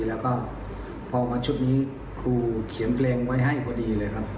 แล้วก็พอมาชุดนี้ครูเขียนเพลงไว้ให้พอดีเลยครับ